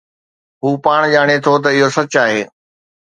هو پاڻ ڄاڻي ٿو ته اهو سچ آهي